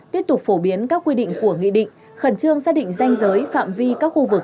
tiếp tục phổ biến các quy định của nghị định khẩn trương xác định danh giới phạm vi các khu vực